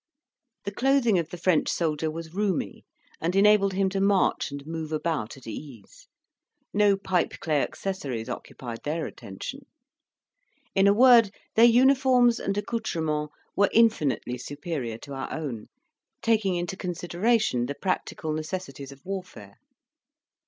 The clothing of the French soldier was roomy, and enabled him to march and move about at ease: no pipeclay accessories occupied their attention; in a word, their uniforms and accoutrements were infinitely superior to our own, taking into consideration the practical necessities of warfare.